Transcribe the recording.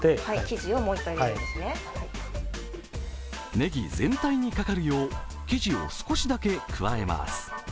ネギ全体にかかるよう生地を全体に加えます。